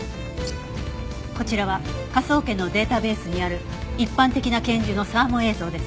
こちらは科捜研のデータベースにある一般的な拳銃のサーモ映像です。